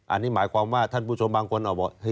อันนี้หมายความว่าท่านผู้ชมบางคนบอก